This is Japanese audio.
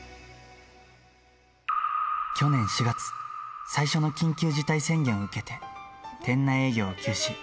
去年４月、最初の緊急事態宣言を受けて、店内営業を休止。